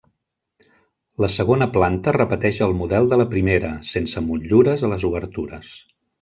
La segona planta repeteix el model de la primera, sense motllures a les obertures.